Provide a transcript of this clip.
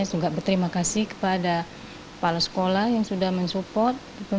dan saya juga berterima kasih kepada kepala sekolah yang sudah men support